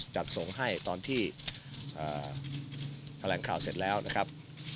จัดส่งให้ตอนที่แถลงข่าวเสร็จแล้วนะครับ